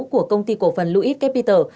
của công ty cổ phần louis capital